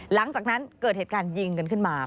หลังจากนั้นเกิดเหตุการณ์ยิงกันขึ้นมา